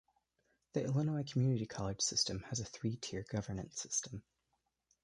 The Illinois community college system has a three-tier governance system.